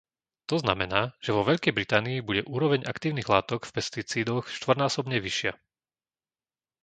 To znamená, že vo Veľkej Británii bude úroveň aktívnych látok v pesticídoch štvornásobne vyššia.